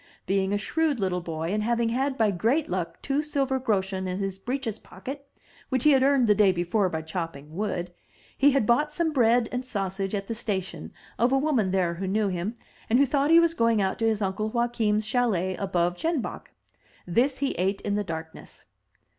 Being a shrewd little boy, and having had by great luck two silver groschen in his breeches pocket, which he had earned the day before by chopping wood, he had bought some bread and sausage at the station of a woman there who knew him, and who thought he was going out to his uncle Joachim's chalet above Jenbach. This he ate in the darkness.